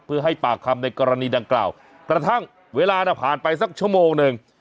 เพื่อให้ปากคำในกรณีดังกล่าวกระทั่งเวลาน่ะผ่านไปสักชั่วโมงหนึ่ง